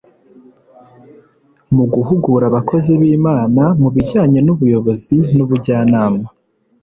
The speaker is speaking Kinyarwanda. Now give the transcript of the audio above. mu guhugura abakozi b’Imana mu bijyanye n’ubuyobozi n’ubujyanama